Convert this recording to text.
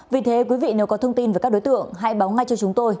vì thế quý vị nếu có thông tin về các đối tượng hãy báo ngay cho chúng tôi